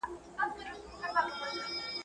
پر اخوند ښوروا ډېره ده.